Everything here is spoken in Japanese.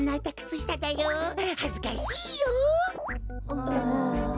うん。